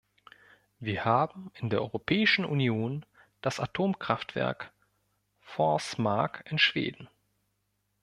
Wir haben in der Europäischen Union das Atomkraftwerk Forsmark in Schweden.